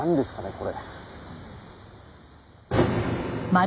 これ。